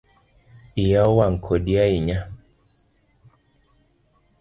Iya owang kodi ahinya